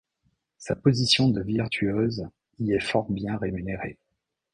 Sa position de virtuose y est fort bien rémunérée.